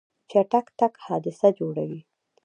چټک تګ حادثه جوړوي.